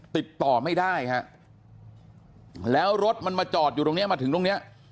ติดต่อไม่ได้ฮะแล้วรถมันมาจอดอยู่ตรงเนี้ยมาถึงตรงเนี้ย